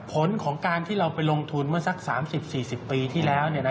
ผลของการที่เราไปลงทุนเมื่อสัก๓๐๔๐ปีที่แล้ว